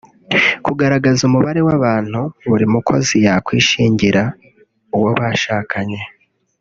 Kugaragaza umubare w’abantu buri mukozi yakwishingira (uwo bashakanye